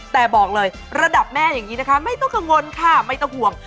แต่บอกเลยระดับแม่อย่างนี้นะคะไม่ต้องกังวลค่ะไม่ต้องห่วง